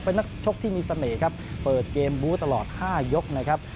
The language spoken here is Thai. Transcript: เป็นนักชกที่มีเสน่ห์ครับเปิดเกมบูธตลอด๕ยกนะครับ